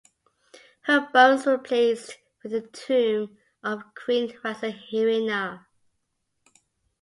Her bones were placed within the tomb of Queen Rasoherina.